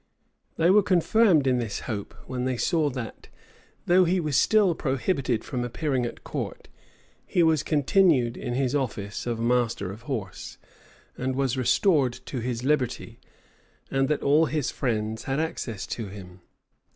They were confirmed in this hope, when they saw that, though he was still prohibited from appearing at court, he was continued in his office of master of horse, and was restored to his liberty, and that all his friends had access to him.